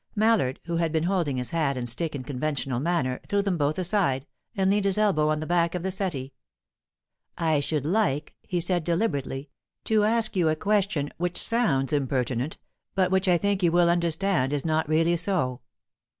Mallard, who had been holding his hat and stick in conventional manner, threw them both aside, and leaned his elbow on the back of the settee. "I should like," he said deliberately, "to ask you a question which sounds impertinent, but which I think you will understand is not really so.